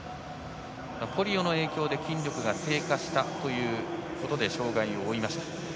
ポリオの影響で筋力が低下したということで障がいを負いました。